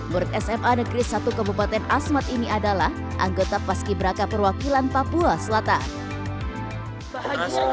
menurut sma negeri satu kabupaten asmat ini adalah anggota paskibraka perwakilan papua selatan